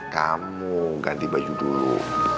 kamu ganti baju dulu